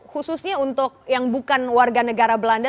khususnya untuk yang bukan warga negara belanda